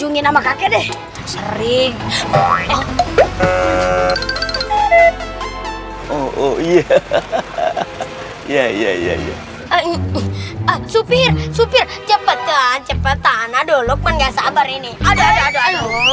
oh iya hahaha ya ya ya ya supir supir cepetan cepetan aduh lukman gak sabar ini ada ada ada